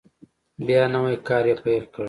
بیا نوی کار یې پیل کړ.